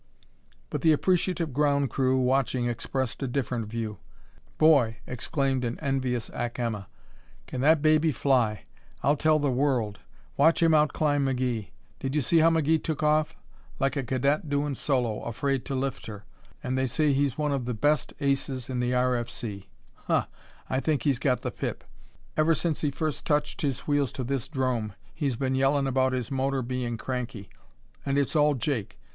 But the appreciative ground crew, watching, expressed a different view. "Boy!" exclaimed an envious Ack Emma. "Can that baby fly! I'll tell the world! Watch him out climb McGee. Did you see how McGee took off? Like a cadet doin' solo afraid to lift her. And they say he's one of the best aces in the R.F.C. Huh! I think he's got the pip! Ever since he first touched his wheels to this 'drome he's been yellin' about his motor bein' cranky. And it's all jake.